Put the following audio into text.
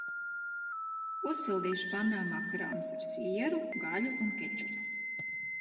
Uzsildīšu pannā makaronus ar sieru, gaļu un kečupu.